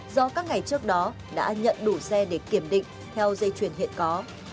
do các ngày trước đó đã nhận đủ xe để kiểm định theo dây chuyển hiện có